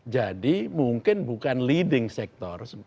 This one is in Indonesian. jadi mungkin bukan leading sector